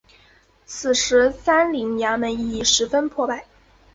此时三陵衙门已十分破败。